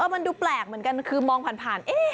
มันดูแปลกเหมือนกันคือมองผ่าน